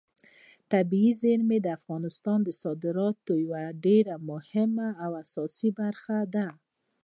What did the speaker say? طبیعي زیرمې د افغانستان د صادراتو یوه ډېره مهمه او اساسي برخه ده.